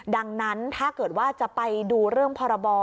ดังนั้นถ้าเกิดว่าจะไปดูเรื่องพรบ